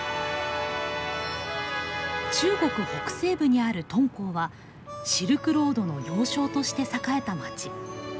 中国北西部にある敦煌はシルクロードの要衝として栄えた街。